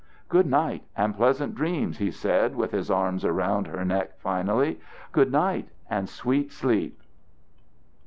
"Good night and pleasant dreams!" he said, with his arms around her neck finally. "Good night and sweet sleep!"